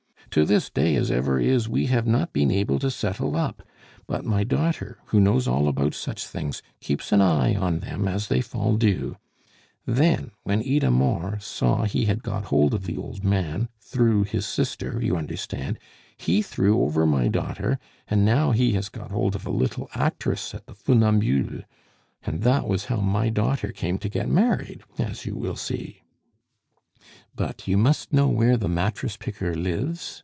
To this day as ever is we have not been able to settle up; but my daughter, who knows all about such things, keeps an eye on them as they fall due. Then, when Idamore saw he had got hold of the old man, through his sister, you understand, he threw over my daughter, and now he has got hold of a little actress at the Funambules. And that was how my daughter came to get married, as you will see " "But you must know where the mattress picker lives?"